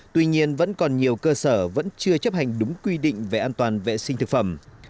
tuy nhiên vẫn còn nhiều cơ sở vẫn chưa chấp hành đúng quy định về an toàn vệ sinh thực phẩm